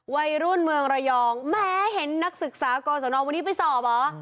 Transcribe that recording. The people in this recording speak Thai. วัยรุ่นเมืองระยองแม้เห็นนักศึกษากรสนวันนี้ไปสอบเหรอ